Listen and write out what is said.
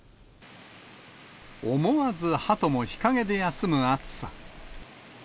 思わずはとも日陰で休む暑さ。